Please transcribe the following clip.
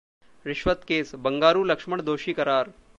रिश्वत केस: बंगारू लक्ष्मण दोषी करार